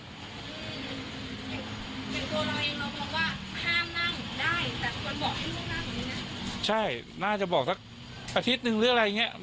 เป็นตัวเราเองเราเพราะว่าห้ามนั่งได้แต่ควรบอกให้ล่วงหน้าของนี้ไง